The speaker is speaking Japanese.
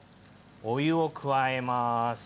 お湯を加えます。